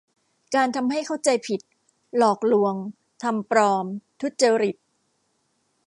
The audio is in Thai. การทำให้เข้าใจผิด หลอกลวง ทำปลอม ทุจริต